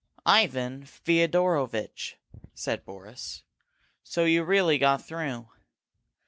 "Ivan Feodorovitch!" said Boris. "So you really got through!